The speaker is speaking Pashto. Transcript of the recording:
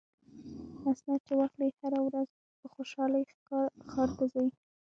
اسناد چې واخلي هره ورځ په خوشحالۍ ښار ته ځي.